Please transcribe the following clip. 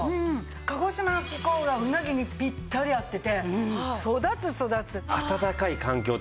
鹿児島の気候がうなぎにピッタリ合ってて育つ育つ！